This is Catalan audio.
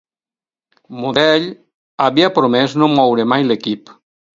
Modell havia promès no moure mai l'equip.